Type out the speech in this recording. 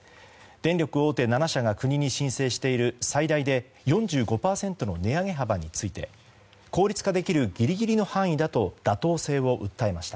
電力大手７社が国に申請している最大で４５％の値上げ幅について効率化できるギリギリの範囲だと妥当性を訴えました。